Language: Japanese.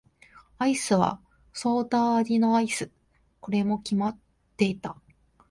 アイスはソーダ味のアイス。これも決まっていた。